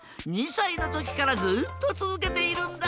２さいのときからずっとつづけているんだ。